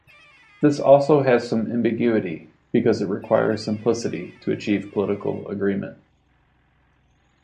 This also has some ambiguity, because it requires simplicity to achieve political agreement.